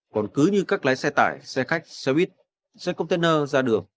còn cứ như các lái xe tải xe khách xe buýt xe container ra đường